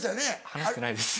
話してないです。